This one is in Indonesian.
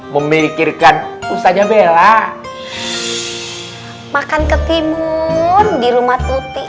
memikirkan usahanya bella makan ketimun di rumah tuti